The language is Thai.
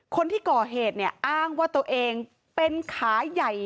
คนที่ก่อเหตุเนี่ยอ้างว่าตัวเองเป็นขาใหญ่